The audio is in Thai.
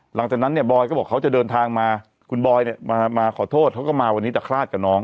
หลังจากนั้นเนี่ยบอยก็บอกเขาจะเดินทางมาคุณบอยเนี่ยมาขอโทษเขาก็มาวันนี้แต่คลาดกับน้อง